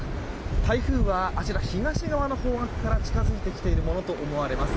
台風は東側の方角から近づいてきていると思われます。